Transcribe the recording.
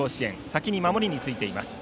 先に守りについています。